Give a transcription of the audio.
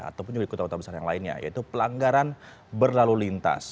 ataupun juga di kota kota besar yang lainnya yaitu pelanggaran berlalu lintas